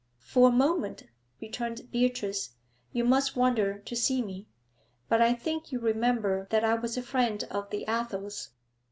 'For a moment,' returned Beatrice, 'you must wonder to see me. But I think you remember that I was a friend of the Athels.